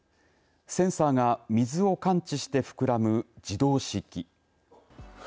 センサーが水を感知して膨らむ自動式。